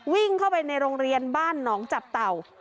วิ่งเข้าไปในโรงเรียนบ้านหนองจับเต่า